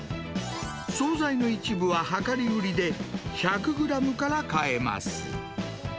総菜の一部は量り売りで、１００グラムから買えます。